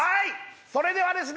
それではですね